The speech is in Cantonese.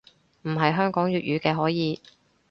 唔係香港粵語嘅可以